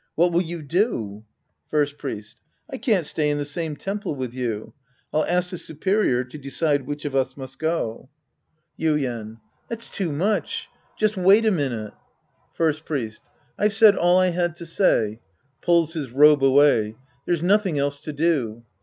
What will you do ? First Priest. I can't stay in the sametemple withyou. I'll ask the superior to decide which of us must go. 192 The Priest and His Disciples Act V Yuien. That's too much. Just wait a minute. First Priest. I've said all I had to say. {Pulls his robe awaj/.) There's nothing else to do.